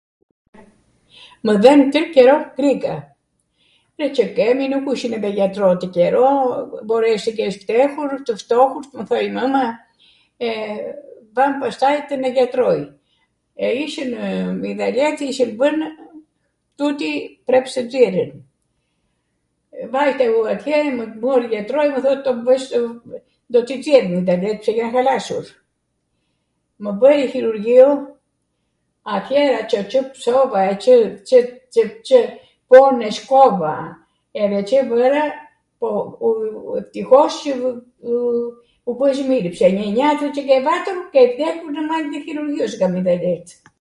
Mw dhwmb twr qero grika. Ne Cw kemi, nuk ishwm ne jatro atw qero. Mbores tw kesh nxehur, tw ftohwt, mw thoj mwma. Vam pastajte ne jatroi. Ishinw mighdhaletw, ishin bwnw, tuti preps tw xirren. Vajta u atje, mw mori jatroi, mw thot do bwsh, do t'i xjerr mighdhaletw mw tha, jan halasur. Mw bwj hjirurjio, atjera Cw psova e Cw pone shkova edhe Cw bwra, po eftihos qw u bwshw mirw, pse njw njatwr qe kej vatur, kej vdekur nw mal tw hjirurjios ga mighdhalet.